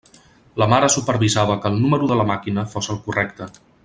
La mare supervisava que el número de la màquina fos el correcte.